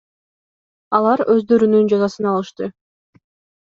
Алар өздөрүнүн жазасын алышты.